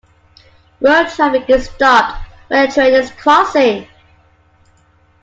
Road traffic is stopped when a train is crossing.